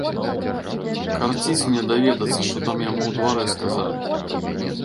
Карціць мне даведацца, што там яму ў дварэ сказалі.